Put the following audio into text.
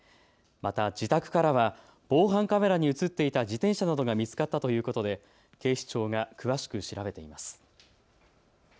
また自宅からは防犯カメラに写っていた自転車などが見つかったということで警視庁が詳しく調べています。